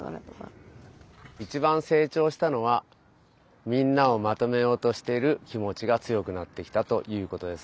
いちばんせいちょうしたのはみんなをまとめようとしている気持ちがつよくなってきたということです。